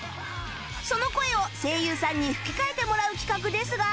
その声を声優さんに吹き替えてもらう企画ですが